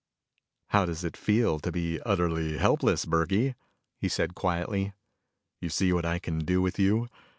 "How does it feel to be utterly helpless, Burkey?" he said quietly. "You see what I can do with you?